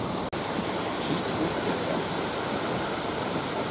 Šis uzķērās.